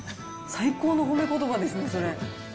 最高の褒めことばですね、それ。